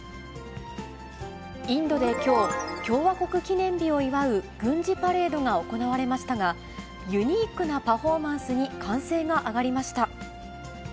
インドできょう、共和国記念日を祝う軍事パレードが行われましたが、ユニークなパフォーマンスに歓声が上がりました。